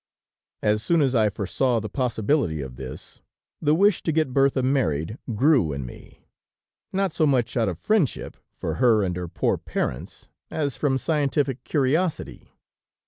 "As soon as I foresaw the possibility of this, the wish to get Bertha married grew in me, not so much out of friendship for her and her poor parents, as from scientific curiosity.